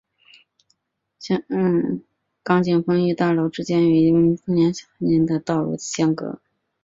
港景峰与大楼之间有一条名为童军径的道路相隔。